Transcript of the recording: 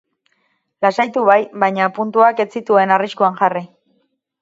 Lasaitu bai, baina puntuak ez zituen arriskuan jarri.